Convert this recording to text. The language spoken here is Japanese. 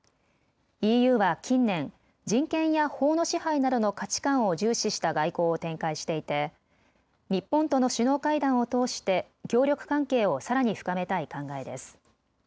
ＥＵは近年、人権や法の支配などの価値観を重視した外交を展開していて日本との首脳会談を通して協力関係をさらに深めたい考えです。